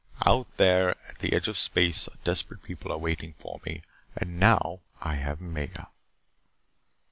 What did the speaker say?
Out there at the edge of space a desperate people are waiting for me. And now I have Maya.